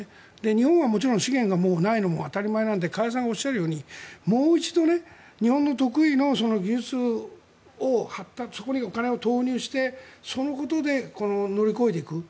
日本はもちろん資源がないのも当たり前なんで加谷さんがおっしゃるようにもう一度日本の得意の技術をそこにお金を投入してそのことで乗り越えていく。